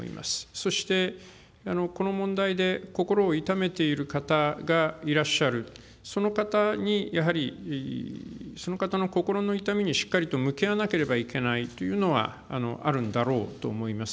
そして、この問題で心を痛めている方がいらっしゃる、その方にやはり、その方の心の痛みにしっかりと向き合わなければいけないというのはあるんだろうと思います。